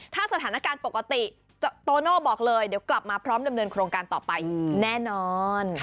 ถ้าสถานการณ์ปกติโตโน่บอกเลยเดี๋ยวกลับมาพร้อมดำเนินโครงการต่อไปแน่นอน